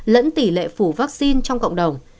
lẫn tỷ lệ phủ vaccine trong cộng đồng